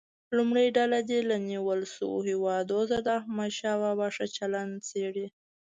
لومړۍ ډله دې له نیول شویو هیوادونو سره د احمدشاه بابا ښه چلند څېړي.